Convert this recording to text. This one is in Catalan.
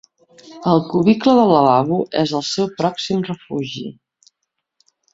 El cubicle del lavabo és el seu pròxim refugi.